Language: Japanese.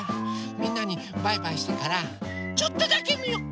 みんなにバイバイしてからちょっとだけみよう！